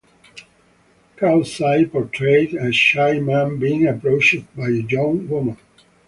Khaosai portrayed a shy man being approached by a young woman.